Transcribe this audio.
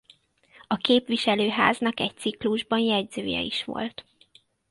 A képviselőháznak egy ciklusban jegyzője is volt.